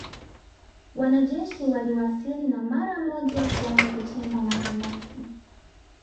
Wanajeshi waliwasili na mara moja kuanza kuchimba mahandaki